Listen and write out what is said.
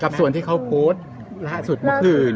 กับส่วนที่เขาโป๊ชละสุดเมื่อคืน